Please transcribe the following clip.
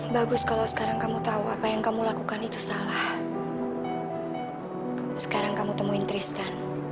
bagus kalau sekarang kamu tahu apa yang kamu lakukan itu salah sekarang kamu temuin tristan